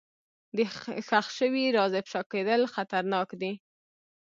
د ښخ شوي راز افشا کېدل خطرناک دي.